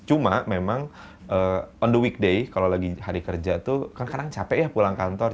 cuma memang on the weekday kalau lagi hari kerja tuh kan kadang capek ya pulang kantor